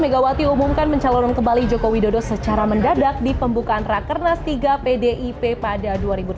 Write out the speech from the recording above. megawati umumkan mencalon kembali joko widodo secara mendadak di pembukaan rakernas tiga pdip pada dua ribu delapan belas